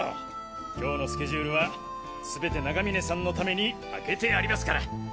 今日のスケジュールはすべて永峰さんのために空けてありますから！